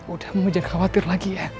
udah mau jangan khawatir lagi ya